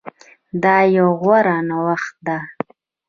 دا يو غوره نوښت ده